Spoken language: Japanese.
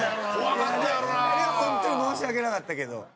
あれはホントに申し訳なかったけど。